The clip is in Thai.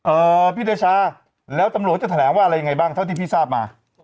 เอ่อพี่เดชาแล้วตำรวจจะแถลงว่าอะไรยังไงบ้างเท่าที่พี่ทราบมา